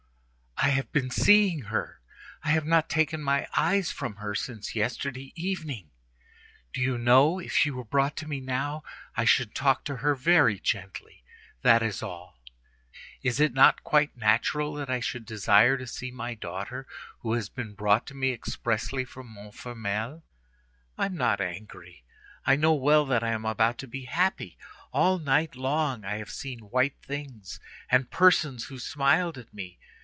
I have been seeing her; I have not taken my eyes from her since yesterday evening. Do you know? If she were brought to me now, I should talk to her very gently. That is all. Is it not quite natural that I should desire to see my daughter, who has been brought to me expressly from Montfermeil? I am not angry. I know well that I am about to be happy. All night long I have seen white things, and persons who smiled at me.